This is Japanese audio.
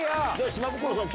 島袋さん